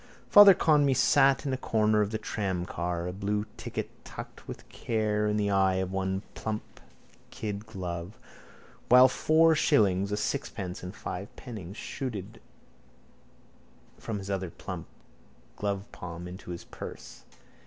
Father Conmee sat in a corner of the tramcar, a blue ticket tucked with care in the eye of one plump kid glove, while four shillings, a sixpence and five pennies chuted from his other plump glovepalm into his purse.